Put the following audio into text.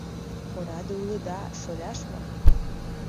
— Ораде улыда, шоляш-влак!